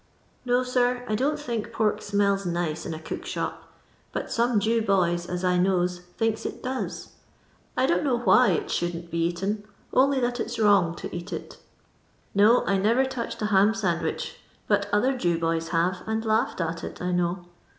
No, sir, I don't think pork smells nice m a cook shop, but some Jew Iwys, as I knows, thinks it does. I don't know why it shoaldn't be eaten, only that it 's wrong to eat it No^ I never touched a ham sandwich, but other /ew bojri have, and kiughed at it, I know.